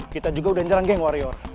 kita juga udah nyerang geng warior